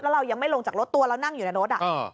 เรายังไม่ลงจากรถตัวเรานั่งอยู่ในรถ